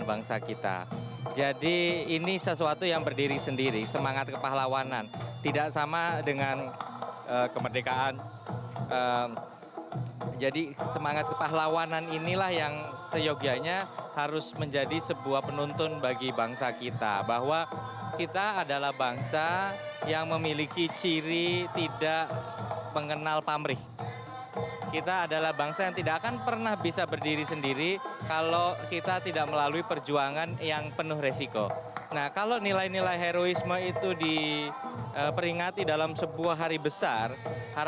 atau ada hal hal yang harusnya dilakukan oleh pemerintah sebagai wujud perhatian kepada mereka